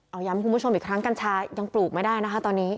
เอาย้ำคุณผู้ชมอีกครั้งกัญชายังปลูกไม่ได้นะคะตอนนี้